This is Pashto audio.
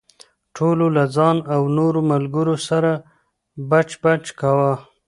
ټولو له ځان او نورو ملګرو سره پچ پچ کاوه.